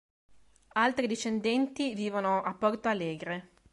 Altri discendenti vivono a Porto Alegre.